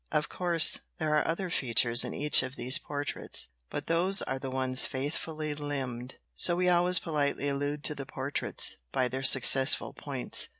Of course, there are other features in each of these portraits, but those are the ones faithfully limned, so we always politely allude to the portraits by their successful points.